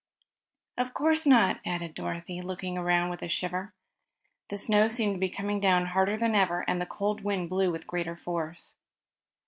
"Of course not," added Dorothy, looking around with a shiver. The snow seemed to be coming down harder than ever and the cold wind blew with greater force.